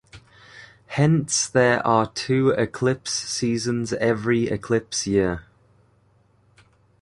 Hence there are two eclipse seasons every eclipse year.